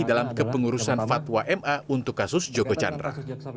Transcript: dalam kepengurusan fatwa ma untuk kasus jokocandra